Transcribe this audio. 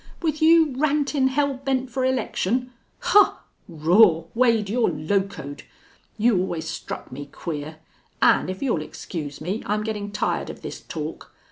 With you rantin' hell bent for election? Haw! Raw!... Wade, you're locoed. You always struck me queer.... An' if you'll excuse me, I'm gettin' tired of this talk.